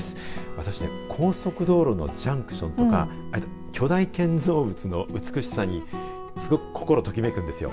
私、高速道路のジャンクションとか巨大建造物の美しさにすごく、心ときめくんですよ。